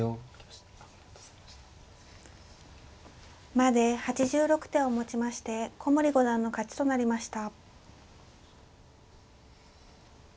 まで８６手をもちまして古森五段の勝ちとなりました。